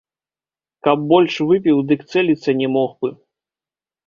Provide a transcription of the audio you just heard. Каб больш выпіў, дык цэліцца не мог бы.